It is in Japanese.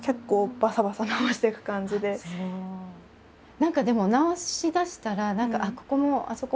何かでも直しだしたら「ここもあそこも」って。